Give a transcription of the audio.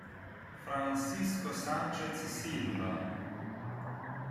Francisco Sánchez Silva